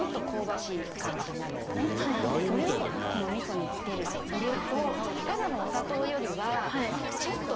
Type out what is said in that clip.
それをこの味噌に入れると。